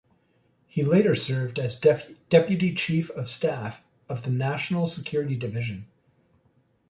He later served as deputy chief of staff of the National Security Division.